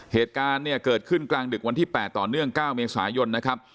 เหตุการณ์เนี่ยเกิดขึ้นกลางดึกวันที่๘ต่อเนื่อง๙เมษายนนะครับ